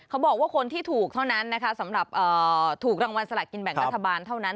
เขาบอกว่าคนที่ถูกเท่านั้นนะคะสำหรับถูกรางวัลสละกินแบ่งรัฐบาลเท่านั้น